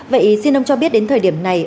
vậy xin ông cho biết đến thời điểm này